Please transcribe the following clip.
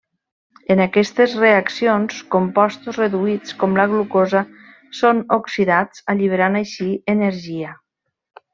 En aquestes reaccions, compostos reduïts com la glucosa són oxidats, alliberant així energia.